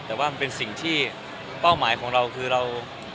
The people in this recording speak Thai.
แต่ว่ามันเป็นสิ่งที่เป้าหมายของเราคือเรา